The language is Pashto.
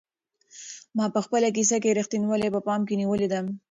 ما په خپله کيسه کې رښتینولي په پام کې نیولې ده.